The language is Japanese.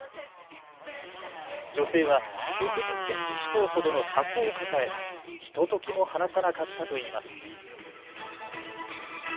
女性は６０センチ四方ほどの箱を抱え、ひとときも離さなかったといいます。